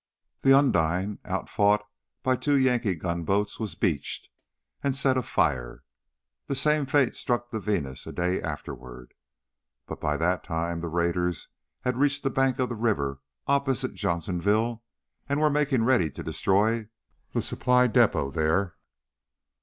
The Undine, outfought by two Yankee gunboats, was beached and set afire. The same fate struck the Venus a day afterward. But by that time the raiders had reached the bank of the river opposite Johnsonville and were making ready to destroy the supply depot there.